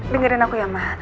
dengarin aku ya ma